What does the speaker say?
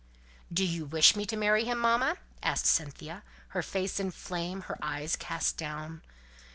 "Do you wish me to marry him, mamma?" asked Cynthia, her face in a flame, her eyes cast down.